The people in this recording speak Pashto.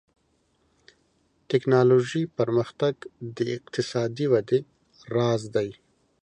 ټکنالوژي پرمختګ د اقتصادي ودې راز دی.